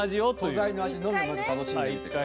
素材の味のみをまず楽しんでみて下さい。